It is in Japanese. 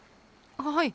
はい？